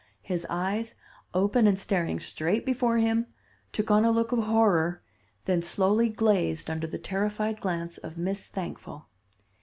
His eyes, open and staring straight before him, took on a look of horror, then slowly glazed under the terrified glance of Miss Thankful.